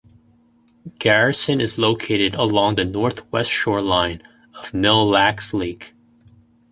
Garrison is located along the northwest shoreline of Mille Lacs Lake.